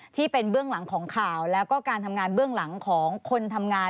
เบื้องหลังของข่าวแล้วก็การทำงานเบื้องหลังของคนทำงาน